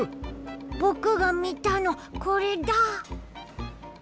ぼくがみたのこれだ！